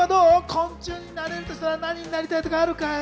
昆虫になれるとしたら何になりたいとかあるかい？